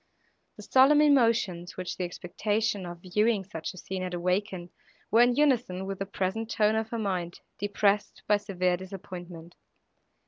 The solemn emotions, which the expectation of viewing such a scene had awakened, were in unison with the present tone of her mind, depressed by severe disappointment.